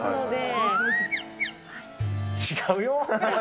違うよ！